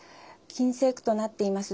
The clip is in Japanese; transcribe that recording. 禁制区となっています